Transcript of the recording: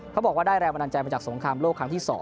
เขาบอกว่าได้แรงบันดาลใจมาจากสงครามโลกครั้งที่๒